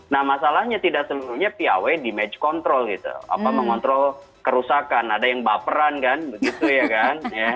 nah masalahnya tidak seluruhnya piawei di match control gitu apa mengontrol kerusakan ada yang baperan kan begitu ya kan